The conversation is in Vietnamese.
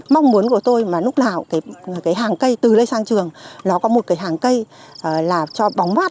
mong muốn của tôi mà lúc nào cái hàng cây từ lê sang trường nó có một cái hàng cây là cho bóng mát